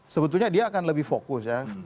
sebetulnya dia akan lebih fokus ya